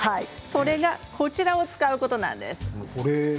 それがこちらを使うことなんです。